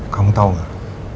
kamu tau gak